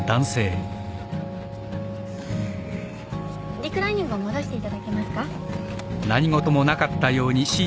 リクライニングを戻していただけますか？